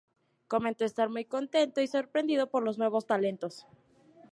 Comentó estar muy contento y sorprendido por los nuevos talentos.